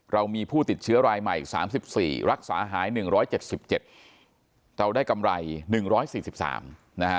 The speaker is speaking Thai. เรามีผู้ติดเชื้อรายใหม่๓๔รักษาหาย๑๗๗เราได้กำไร๑๔๓นะฮะ